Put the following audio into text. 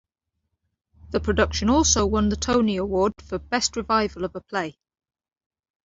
The production also won the Tony Award for Best Revival of a Play.